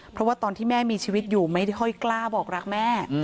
เพราะว่าตอนที่แม่มีชีวิตอยู่ไม่ได้ค่อยกล้าบอกรักแม่